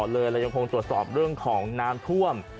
เรายังคงตรวจสอบเรื่องของน้ำท่วม